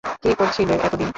কি করছিলে এত দিন?